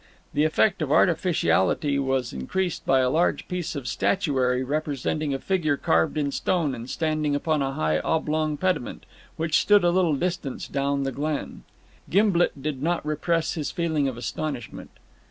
The effect of artificiality was increased by a large piece of statuary representing a figure carved in stone and standing upon a high oblong pediment, which stood a little distance down the glen. Gimblet did not repress his feeling of astonishment.